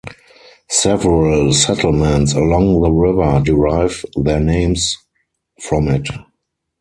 Several settlements along the river derive their names from it.